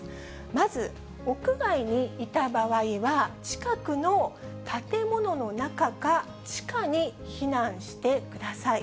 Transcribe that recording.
まず屋外にいた場合は、近くの建物の中か地下に避難してください。